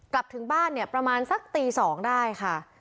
กลับถึงบ้านเนี่ยประมาณสักตี๒ได้ค่ะ